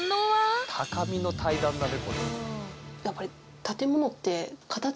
高みの対談だねこれ。